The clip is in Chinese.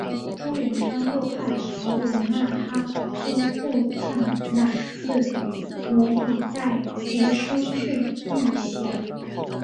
朱元璋又派所俘纳哈出部将乃剌吾携带玺书前去谕降。